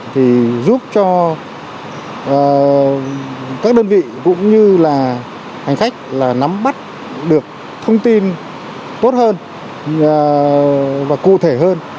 thì giúp cho các đơn vị cũng như là hành khách nắm bắt được thông tin tốt hơn và cụ thể hơn